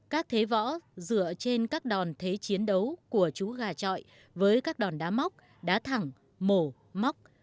các thế võ dựa trên các đòn thế chiến đấu của chú gà trọi với các đòn đá móc đá thẳng mổ móc